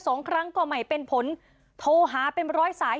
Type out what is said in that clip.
สองครั้งก็ไม่เป็นผลโทรหาเป็นร้อยสาย